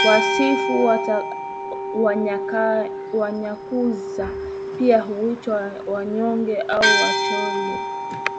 Wasifu Wanyakyusa pia huitwa Wangonde au Wasochile